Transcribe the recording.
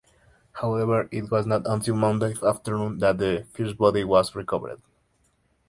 However, it was not until Monday afternoon that the first body was recovered.